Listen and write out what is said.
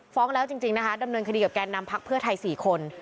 ฟ้องแล้วจริงนะคะดำเนินคดีกับแกนนำพักเพื่อไทย๔คน